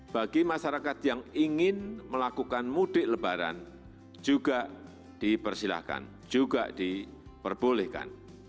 bagi masyarakat yang ingin melakukan mudik lebaran juga dipersilahkan juga diperbolehkan